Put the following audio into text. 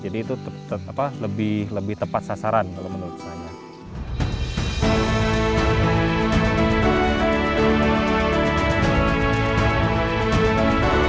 jadi itu lebih tepat sasaran kalau menurut saya